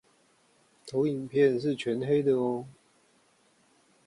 投影片是全黑的喔